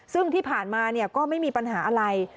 ซึ่งที่ผ่านมาก็ไม่มีปัญหาอะไร